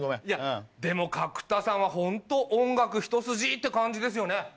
いやでも角田さんはホント音楽ひと筋って感じですよね。